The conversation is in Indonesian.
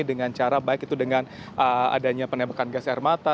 dengan cara baik itu dengan adanya penembakan gas air mata